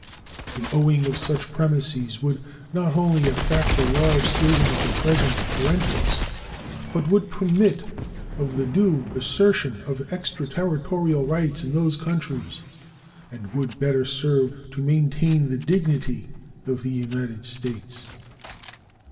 The owning of such premises would not only effect a large saving of the present rentals, but would permit of the due assertion of extraterritorial rights in those countries, and would the better serve to maintain the dignity of the United States.